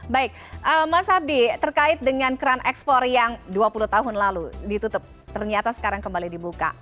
baik mas abdi terkait dengan keran ekspor yang dua puluh tahun lalu ditutup ternyata sekarang kembali dibuka